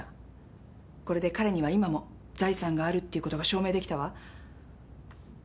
これで彼には今も財産があるっていうことが証明できたわ。